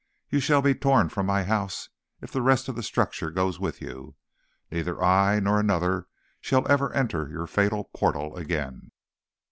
You shall be torn from my house if the rest of the structure goes with you. Neither I nor another shall ever enter your fatal portal again.